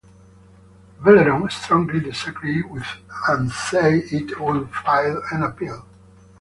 Veleron strongly disagreed with and said it would file an appeal.